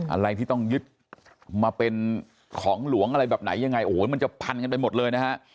อะไรที่ต้องยึดมาเป็นของหลวงอะไรแบบไหนยังไงโอ้โหมันจะพันกันไปหมดเลยนะฮะ